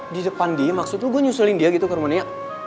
di depan dia maksud lo gue nyuselin dia gitu ke rumahnya